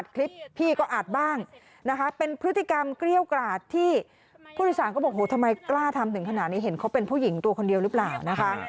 คลิปพี่ก็อาจบ้างนะคะเป็นพฤติกรรมเกรี้ยวกราดที่ผู้โดยสารก็บอกโหทำไมกล้าทำถึงขนาดนี้เห็นเขาเป็นผู้หญิงตัวคนเดียวหรือเปล่านะคะ